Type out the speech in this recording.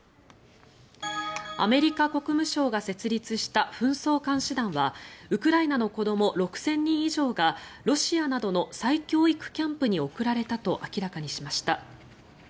アメリカ国務省が設立した紛争監視団はウクライナの子ども６０００人以上がロシアなどの再教育キャンプに送られたと明らかにしました。